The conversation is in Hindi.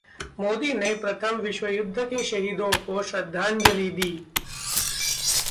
मोदी ने प्रथम विश्वयुद्ध के शहीदों को श्रद्धांजलि दी